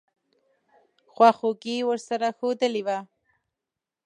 خواخوږي ورسره ښودلې وه.